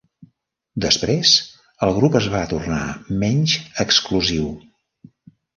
Després, el grup es va tornar menys exclusiu.